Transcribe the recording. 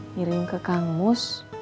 ngirim ke kang mus